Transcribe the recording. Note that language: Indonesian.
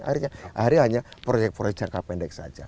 akhirnya hanya proyek proyek jangka pendek saja